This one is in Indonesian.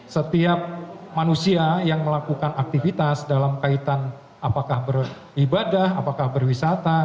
setiap manusia yang melakukan aktivitas dalam kaitan apakah beribadah apakah berwisata